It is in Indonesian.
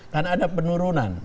kan ada penurunan